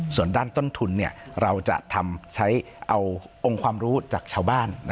ส่วนด้านต้นทุนเราจะใช้เอาองค์ความรู้จากชาวบ้าน